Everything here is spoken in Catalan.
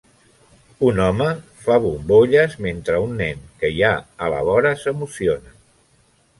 Un home fa bombolles, mentre un nen que hi ha a la vora s'emociona.